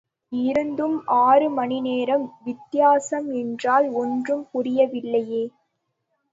இருந்தும் ஆறு மணிநேரம் வித்தியாசம் என்றால் ஒன்றும் புரியவில்லையே!